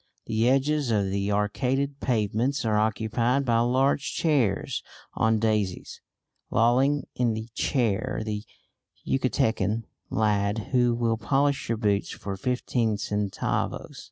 The edges of the arcaded pavements are occupied by large chairs on daises; lolling in the chair the Yucatecan lad who will polish your boots for fifteen centavos.